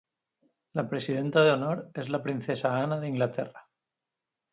La presidenta de honor es la Princesa Ana de Inglaterra.